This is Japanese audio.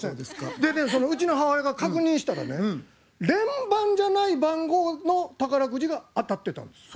でねうちの母親が確認したらね連番じゃない番号の宝くじが当たってたんです。